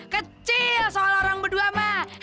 kecil soal orang berdua ma